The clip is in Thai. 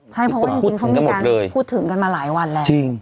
ใช่เพราะว่าจริงเขามีการพูดถึงกันมาหลายวันแล้ว